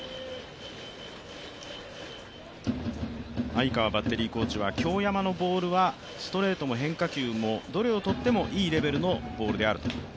相川バッテリーコーチは京山のボールはストレートも変化球もどれをとってもいいレベルのボールであると。